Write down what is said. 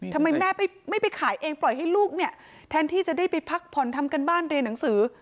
ทำไมแม่ไม่ไปขายเองปล่อยให้ลูกเนี่ยแทนที่จะได้ไปพักผ่อนทำการบ้านเรียนหนังสือ